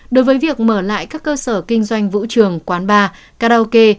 đối với việc mở lại các cơ sở kinh doanh vũ trường quán bar karaoke